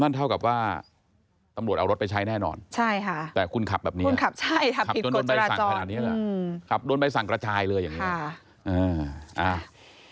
เท่ากับว่าตำรวจเอารถไปใช้แน่นอนใช่ค่ะแต่คุณขับแบบนี้คุณขับใช่ขับโดนใบสั่งขนาดนี้แหละขับโดนใบสั่งกระจายเลยอย่างนี้